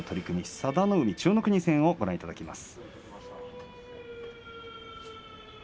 佐田の海、千代の国戦をご覧いただきます。